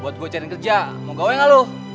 buat gue cari kerja mau gawe ga lu